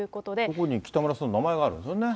ここに北村さんの名前があるんですよね。